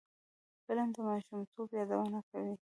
فلم د ماشومتوب یادونه کوي